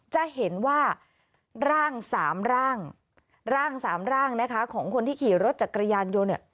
จะเห็นว่าร่างสามร่างร่าง๓ร่างนะคะของคนที่ขี่รถจักรยานยนต์เนี่ย